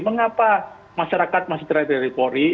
mengapa masyarakat masih terakhir dari pori